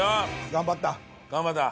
頑張った。